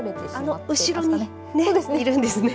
あの後ろにいるんですね。